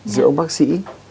giữa ông bác sĩ